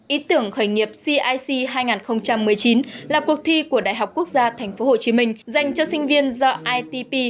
ý tưởng khởi nghiệp cic hai nghìn một mươi chín là cuộc thi của đại học quốc gia tp hcm dành cho sinh viên do itp